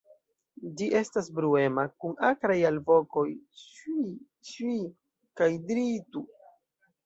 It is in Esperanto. Ĝi estas bruema, kun akraj alvokoj "sŭii-sŭii" kaj "driii-tu".